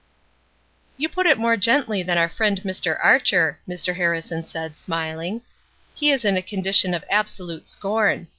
"You put it more gently than our friend Mr. Archer," Mr. Harrison said, smiling. "He is in a condition of absolute scorn.